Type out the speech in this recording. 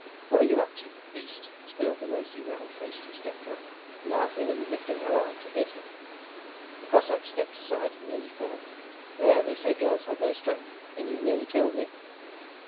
'What are you up to, you beast?' squealed the rosy, round faced Ustenka, laughing and lifting her arm to hit him. The Cossack stepped aside and nearly fell. 'There, they say girls have no strength, and you nearly killed me.'